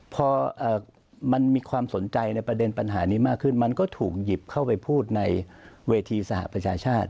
พอมันมีความสนใจในประเด็นปัญหานี้มากขึ้นมันก็ถูกหยิบเข้าไปพูดในเวทีสหประชาชาติ